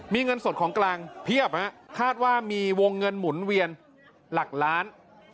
มีเงินสดของกลางเพียบคาดว่ามีวงเงินหมุนเวียนหลักล้าน